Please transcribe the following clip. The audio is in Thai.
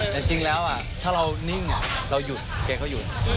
แต่จริงแล้วถ้าเรานิ่งเราหยุดแกก็หยุด